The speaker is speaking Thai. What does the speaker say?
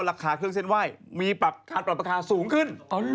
ราคาเครื่องเส้นไหว้มีการปรับราคาสูงขึ้น